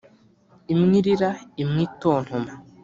imwe irira, imwe itontoma